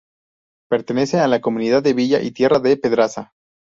Pertenece a la Comunidad de villa y tierra de Pedraza.